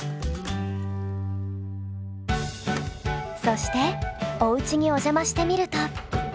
そしておうちにお邪魔してみると。